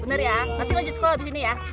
bener ya nanti lanjut sekolah habis ini ya